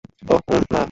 ওহ, উম, না।